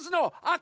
あ！